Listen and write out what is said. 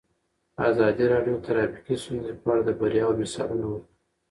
ازادي راډیو د ټرافیکي ستونزې په اړه د بریاوو مثالونه ورکړي.